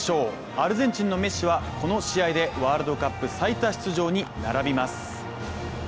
アルゼンチンのメッシはこの試合でワールドカップ最多出場に並びます。